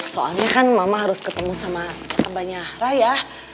soalnya kan mama harus ketemu sama abah nyahra ya